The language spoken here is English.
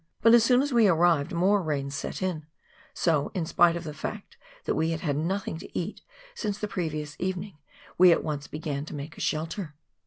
But as soon as we arrived, more rain set in, so, in spite of the fact that we had had nothing to eat since the previous evening, we at once began to make a shelter.